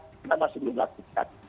kita masih belum lakukan